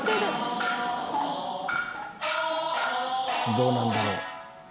どうなんだろう？